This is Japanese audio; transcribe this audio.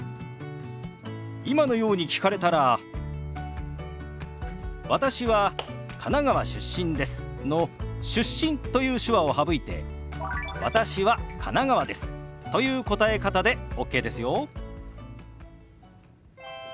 今のように聞かれたら「私は神奈川出身です」の「出身」という手話を省いて「私は神奈川です」という答え方でＯＫですよ。